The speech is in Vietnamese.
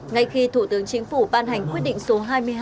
ngay khi thủ tướng chính phủ ban hành quyết định số hai mươi hai